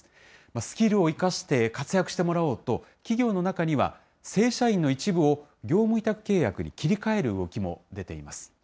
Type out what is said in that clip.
スキルを生かして活躍してもらおうと、企業の中には、正社員の一部を業務委託契約に切り替える動きも出ています。